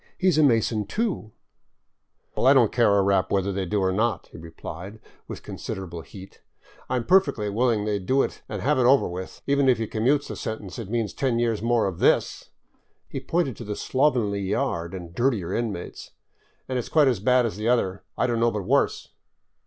" He is a Mason, too —"" Well, I don't care a rap whether they do or not," he replied, with 554 I LIFE IN THE BOLIVIAN WILDERNESS considerable heat, " I 'm perfectly willing they do it and have it over with. Even if he commutes the sentence, it means ten years more of this "— he pointed to the slovenly yard and dirtier inmates —'' and it 's quite as bad as the other ; I don't know but worse."